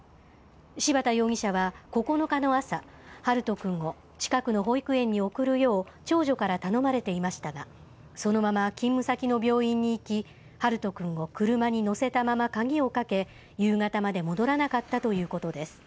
柴田容疑者は９日の朝、陽翔くんを近くの保育園に送るよう、長女から頼まれていましたが、そのまま勤務先の病院に行き、陽翔くんを車に乗せたまま鍵をかけ、夕方まで戻らなかったということです。